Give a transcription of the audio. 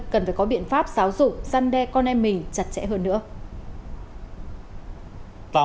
cần phải có biện pháp giáo dụng giăn đe con em mình chặt chẽ hơn nữa